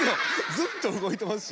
ずっと動いてますし。